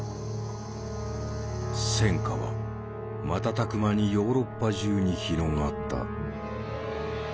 戦火は瞬く間にヨーロッパ中に広がった。